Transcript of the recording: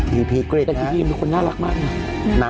พีพีกริดนะแม่พีพีมีคนน่ารักมากนะ